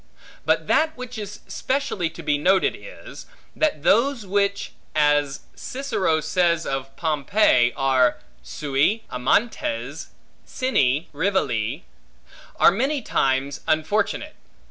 But that which is specially to be noted is, that those which (as Cicero says of Pompey) are sui amantes, sine rivali, are many times unfortunate.